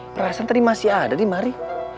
perasaan tadi masih ada di mari